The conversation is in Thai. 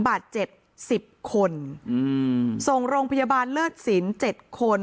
บาดเจ็บสิบคนอืมส่งโรงพยาบาลเลิศสินเจ็ดคน